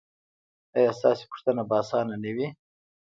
ایا ستاسو پوښتنه به اسانه نه وي؟